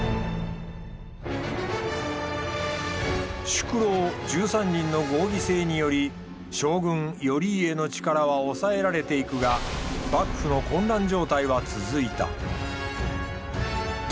宿老１３人の合議制により将軍頼家の力は抑えられていくが幕府の混乱状態は続いた。